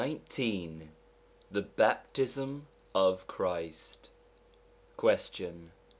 7. XIX THE BAPTISM OF CHRIST Question.